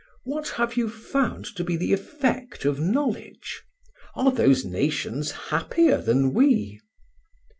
What have you found to be the effect of knowledge? Are those nations happier than we?"